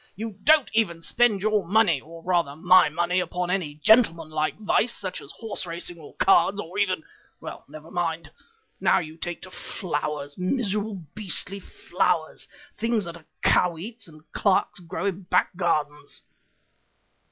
You don't even spend your money, or rather my money, upon any gentleman like vice, such as horse racing, or cards, or even well, never mind. No, you take to flowers, miserable, beastly flowers, things that a cow eats and clerks grow in back gardens."